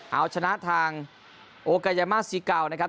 เอาชนะทางโอกายามาซิเกานะครับ